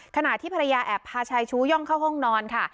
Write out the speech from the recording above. ขณะที่ภรรยาแอบพาชายชู้ย่องเข้าห้องนอนค่ะ